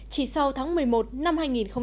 chỉ sau tháng một mươi một năm hai nghìn một mươi tám